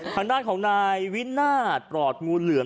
ทางด้านของนายวินาศปลอดงูเหลือม